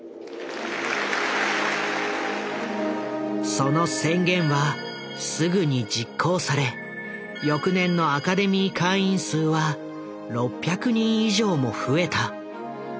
その宣言はすぐに実行され翌年のアカデミー会員数は６００人以上も増えた。